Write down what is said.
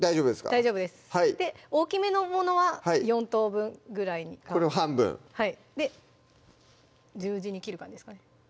大丈夫です大きめのものは４等分ぐらいにこれを半分十字に切る感じですかね